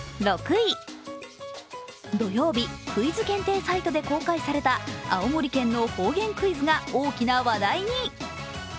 土曜日、クイズ検定サイトで公開された青森県の方言クイズが大きな話題に。